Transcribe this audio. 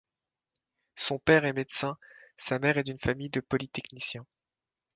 Son père est médecin, sa mère est d'une famille de polytechniciens.